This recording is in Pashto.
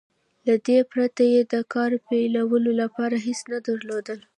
له دې پرته يې د کار پيلولو لپاره هېڅ نه درلودل.